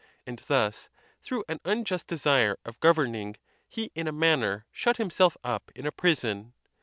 And thus, through an unjust desire of governing, he in a manner shut himself up in a prison.